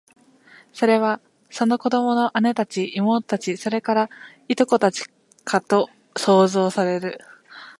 それは、その子供の姉たち、妹たち、それから、従姉妹たちかと想像される